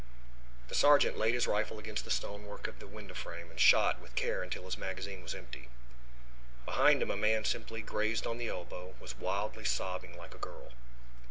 The sergeant laid his rifle against the stonework of the window frame and shot with care until his magazine was empty. Behind him a man, simply grazed on the elbow, was wildly sobbing like a girl.